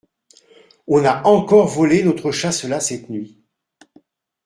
On a encore volé votre chasselas cette nuit.